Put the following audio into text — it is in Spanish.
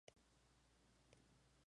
Sólo come "Acropora".